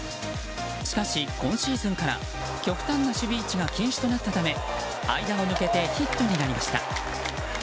しかし今シーズンから極端な守備位置が禁止となったため間を抜けてヒットになりました。